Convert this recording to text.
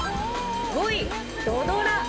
５位土ドラ。